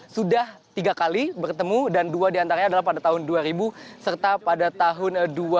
sudah tiga kali bertemu dan dua diantaranya adalah pada tahun dua ribu serta pada tahun dua ribu dua